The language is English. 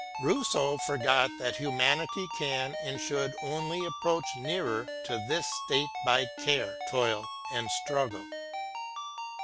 Rousseau forgot that humanity can and should only approach nearer to this state by care, toil, and struggle.